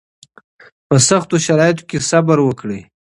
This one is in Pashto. په سختو شرایطو کې صبر وکړئ